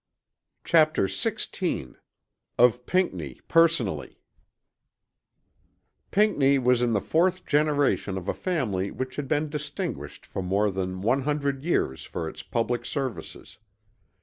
CHAPTER XVI OF PINCKNEY PERSONALLY Pinckney was in the fourth generation of a family which had been distinguished for more than one hundred years for its public services.